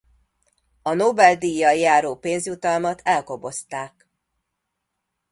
A Nobel-díjjal járó pénzjutalmat elkobozták.